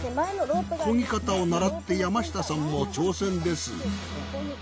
漕ぎ方を習って山下さんも挑戦です。